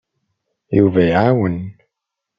Yuba iɛawen.